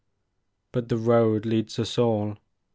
But the road leads us all.